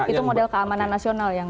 itu model keamanan nasional yang